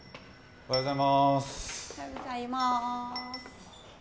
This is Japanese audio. おはようございます。